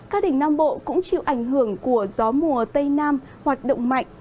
các đỉnh nam bộ cũng chịu ảnh hưởng của gió mùa tây nam hoạt động mạnh